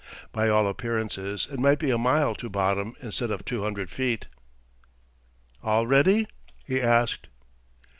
By all appearances it might be a mile to bottom instead of two hundred feet. "All ready?" he asked.